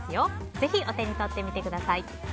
ぜひ、お手に取ってみてください。